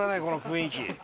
この雰囲気。